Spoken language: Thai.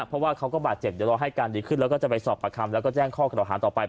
เพราะว่าเขาก็บาดเจ็บเดี๋ยวรอให้การดีขึ้นแล้วก็จะไปสอบประคำแล้วก็แจ้งข้อกระดาหารต่อไป